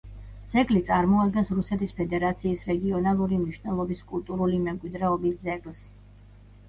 ძეგლი წარმოადგენს რუსეთის ფედერაციის რეგიონალური მნიშვნელობის კულტურული მემკვიდრეობის ძეგლს.